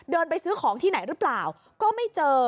ไปซื้อของที่ไหนหรือเปล่าก็ไม่เจอ